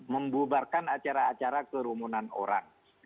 membubarkan acara acara kerumunan orang